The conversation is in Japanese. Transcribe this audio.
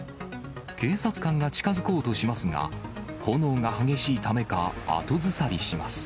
警察官が近づこうとしますが、炎が激しいためか、後ずさりします。